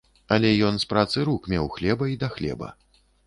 Але ён з працы рук меў хлеба і да хлеба.